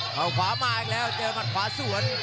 เขาขวามาอีกแล้วเจอหมัดขวาสวน